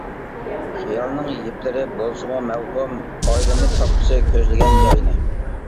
خىيالنىڭ يىپلىرى بولسىمۇ مەۋھۇم، ئايلىنىپ تاپقۇسى كۆزلىگەن جاينى.